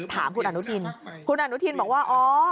ถามคุณอนุทินคุณอนุทินบอกว่าอ๋อ